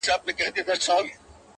غټي سترگي شينكى خال د چا د ياد”